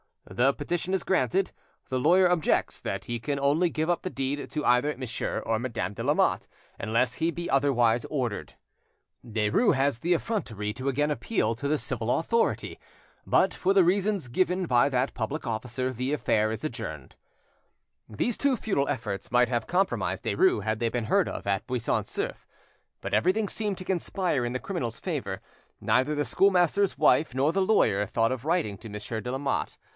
The petition is granted. The lawyer objects that he can only give up the deed to either Monsieur or Madame de Lamotte, unless he be otherwise ordered. Derues has the effrontery to again appeal to the civil authority, but, for the reasons given by that public officer, the affair is adjourned. These two futile efforts might have compromised Derues had they been heard of at Buisson Souef; but everything seemed to conspire in the criminal's favour: neither the schoolmaster's wife nor the lawyer thought of writing to Monsieur de Lamotte.